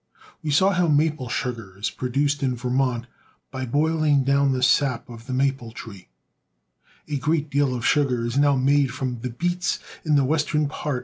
We saw how maple sugar is produced in Ver mont by boihng down the sap of the maple tree. A great deal of sugar is now made from beets in the western part A Sugar Plantation.